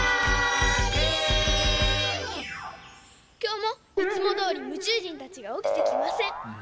きょうもいつもどおりむちゅう人たちがおきてきません。